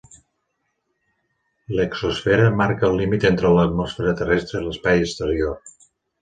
L'exosfera marca el límit entre l'atmosfera terrestre i l'espai exterior.